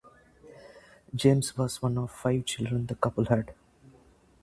James was one of five children the couple had.